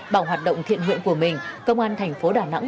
bằng hoạt động thiện nguyện của mình công an thành phố đà nẵng